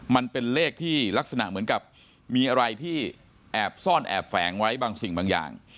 มันเป็นเลขที่ลักษณะเหมือนกับมีอะไรที่แอบซ่อนแอบแฝงไว้บางสิ่งบางอย่าง